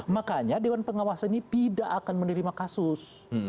makanya dewan pengawas ini tidak akan menerima kasus